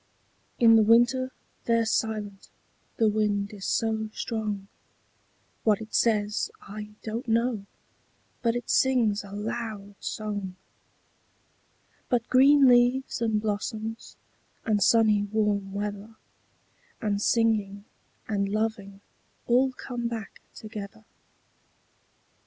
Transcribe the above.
In the winter they're silent the wind is so strong; What it says, I don't know, but it sings a loud song. But green leaves, and blossoms, and sunny warm weather, 5 And singing, and loving all come back together.